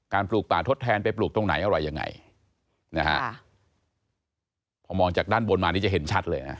ปลูกป่าทดแทนไปปลูกตรงไหนอะไรยังไงนะฮะพอมองจากด้านบนมานี่จะเห็นชัดเลยนะ